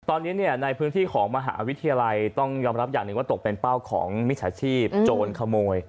ตอนนี้ในพื้นที่ของมหาวิทยาลัยต้องยอมรับอย่างหนึ่งว่าตกเป็นเป้าของมิจฉาชีพโจรขโมย